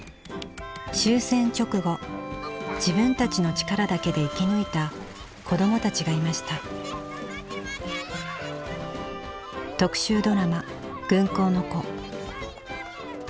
終戦直後自分たちの力だけで生き抜いた子どもたちがいました特集ドラマ「軍港の子」